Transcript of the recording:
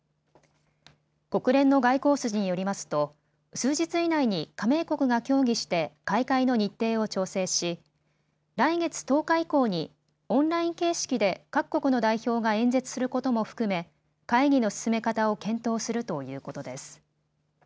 国連の外交筋によりますと数日以内に加盟国が協議して開会の日程を調整し来月１０日以降にオンライン形式で各国の代表が演説することも含め会議の進め方を検討するということです。